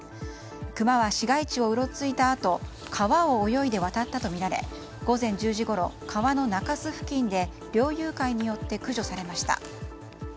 熊は市街地をうろついたあと川を泳いで渡ったとみられ午前１０時ごろ、川の中洲付近で猟友会によって駆除されました。